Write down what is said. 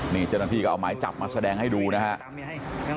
นี่เจ้าหน้าที่ก็เอาหมายจับมาแสดงให้ดูนะครับ